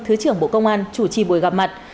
thứ trưởng bộ công an chủ trì buổi gặp mặt